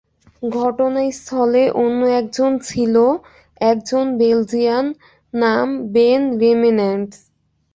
ঘটনাস্থলে অন্য একজন ছিল, একজন বেলজিয়ান, নাম বেন রেমেন্যান্টস।